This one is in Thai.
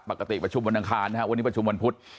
ประชุมวันอังคารนะครับวันนี้ประชุมวันพุธ